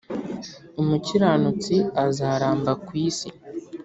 umukiranutsi azaramba ku isi